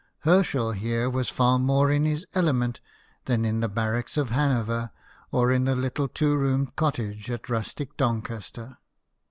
Herschel here was far more in his element than in the barracks of Hanover, or in the little two roomed cottage at rustic Doncaster.